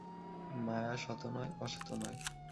মায়া সৎও নয়, অসৎও নয়।